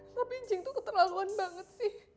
tapi cing tuh keterlaluan banget sih